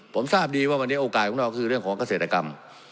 ผมทราบดีว่าวันนี้โอกาสของเราคือเรื่องของเกษตรกรรม